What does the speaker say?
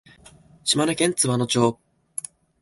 島根県津和野町